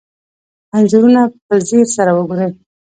انځورونه په ځیر سره وګورئ.